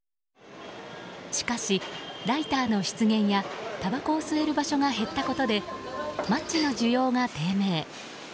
しかし、ライターの出現やたばこを吸える場所が減ったことでマッチの需要が低迷。